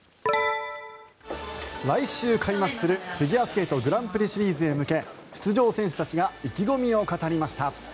来週開幕するフィギュアスケートグランプリシリーズへ向け出場選手たちが意気込みを語りました。